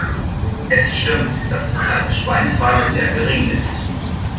Es stimmt, dass die Zahl der Schweinswale sehr gering ist.